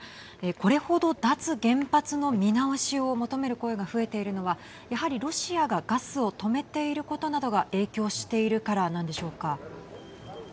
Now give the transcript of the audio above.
これほど、脱原発の見直しを求める声が増えているのはやはり、ロシアがガスを止めていることなどが影響しているからなんでしょうか。